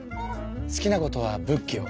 好きなことは仏教。